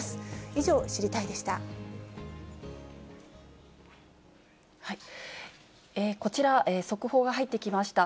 以上、知りたいッ！でした。